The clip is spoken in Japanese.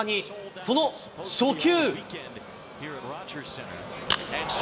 その初球。